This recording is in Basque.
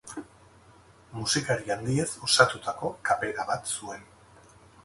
Musikari handiez osatutako kapera bat zuen.